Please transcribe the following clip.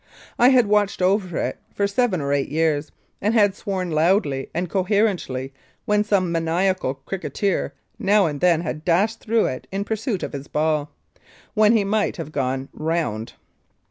I had watched over it for seven or eight years, and had sworn loudly and coherently when some maniacal cricketer now and then had dashed through it in pursuit of his ball, when he might have gone round.